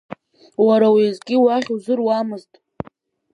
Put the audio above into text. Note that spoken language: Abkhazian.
Уара уеизгьы уахь узыруамызт…